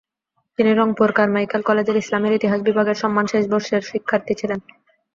তিনি রংপুর কারমাইকেল কলেজের ইসলামের ইতিহাস বিভাগের সম্মান শেষ বর্ষের শিক্ষার্থী ছিলেন।